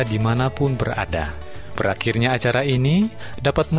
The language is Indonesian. selanjutnya marilah kita mengikuti